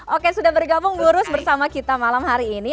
oke sudah bergabung lurus bersama kita malam hari ini